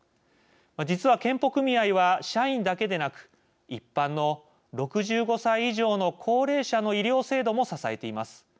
実は健保組合は、社員だけでなく一般の６５歳以上の高齢者の医療制度も支えています。